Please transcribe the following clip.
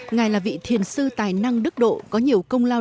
ngài là vị thiền sư tài năng đức độ có nhiều công lao